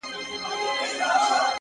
سیاه پوسي ده. ورځ نه ده شپه ده.